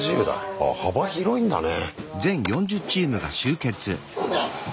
ああ幅広いんだね。